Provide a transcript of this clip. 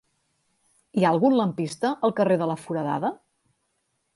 Hi ha algun lampista al carrer de la Foradada?